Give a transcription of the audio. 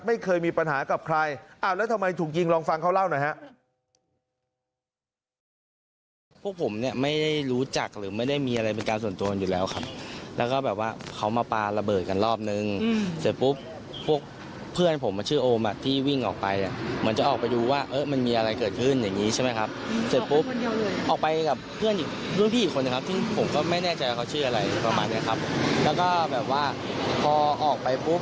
มีปัญหากับใครอะแล้วทำไมถูกยิงลองฟังเขาเล่าหน่อยฮะพวกผมเนี้ยไม่ได้รู้จักหรือไม่ได้มีอะไรเป็นการส่วนตัวมันอยู่แล้วครับแล้วก็แบบว่าเขามาปลาระเบิดกันรอบนึงอืมสุดปุ๊บพวกเพื่อนผมว่าชื่อโอมอ่ะที่วิ่งออกไปอะเหมือนจะออกไปดูว่าเอ้อมันมีอะไรเกิดขึ้นอย่างงี้ใช่ไหมครับออกไปคนเดียวเลย